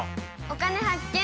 「お金発見」。